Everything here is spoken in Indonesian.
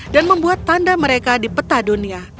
dan membuat tanda mereka di peta dunia